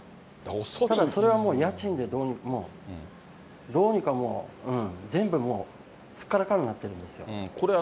それはもう家賃で、もう、どうにかもう、全部もう、すっからかんになってるんですよ。